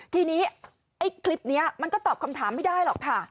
ทีนี้ไอ้คลิปนี้มันก็ตอบคำถามไม่ได้หรอกค่ะ